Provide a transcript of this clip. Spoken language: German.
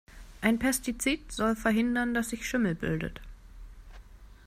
Ein Pestizid soll verhindern, dass sich Schimmel bildet.